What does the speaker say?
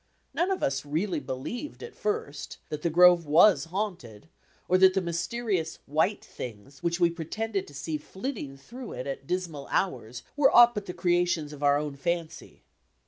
None of us really believed at first, that the grove was haunted, or that the mysterious "white things" which we pretended to see flitting through it at dismal hours were aught but the creations of our own fancy.